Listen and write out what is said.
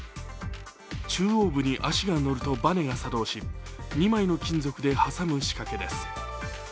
中央部に足が乗るとバネが作動し２枚の金属で挟む仕掛けです。